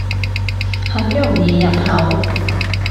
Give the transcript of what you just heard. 很容易入口